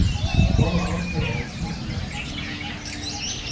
ბოლო ამოფრქვევა უცნობია.